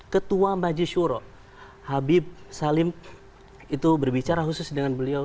ketua maju syuro habib salim itu berbicara khusus dengan beliau